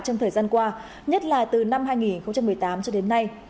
trong thời gian qua nhất là từ năm hai nghìn một mươi tám cho đến nay